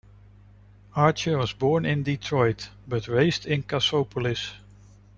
Archer was born in Detroit, but raised in Cassopolis.